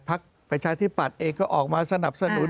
ภัคดิ์ประชาธิปัฏธิ์เองก็ออกมาสนับสนุน